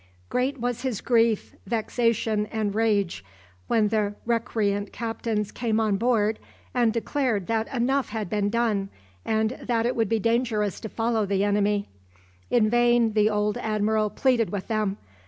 Great was his grief, vexation, and rage, when the recreant captains came on board and declared that enough had been done, and that it would be dangerous to follow the enemy. In vain the old admiral pleaded with them.